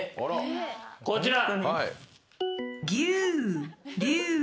こちら！